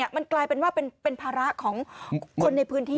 มันกลายเป็นว่าเป็นภาระของคนในพื้นที่